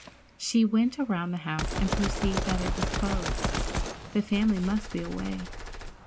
She went around the house and perceived that it was closed. The family must be away.